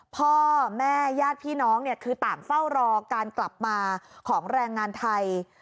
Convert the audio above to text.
พ่อแม่ญาติพี่น้องเนี่ยคือต่างเฝ้ารอการกลับมาของแรงงานไทย